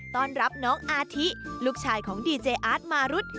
ต้อนรับน้องอาทิลูกชายของดีเจออาร์ตมารุธ